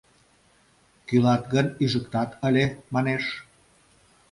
Кӱлат гын, ӱжыктат ыле!» — манеш.